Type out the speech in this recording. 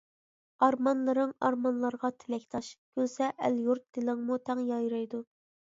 ئارمانلىرىڭ ئارمانلارغا تىلەكداش، كۈلسە ئەل-يۇرت دىلىڭمۇ تەڭ يايرايدۇ.